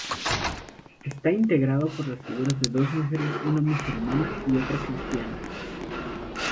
Está integrado por las figuras de dos mujeres, una musulmana y otra cristiana.